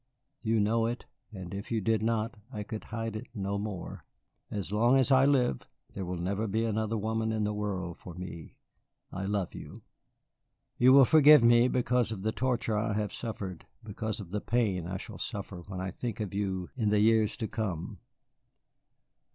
You know it, and if you did not I could hide it no more. As long as I live there will never be another woman in the world for me. I love you. You will forgive me because of the torture I have suffered, because of the pain I shall suffer when I think of you in the years to come."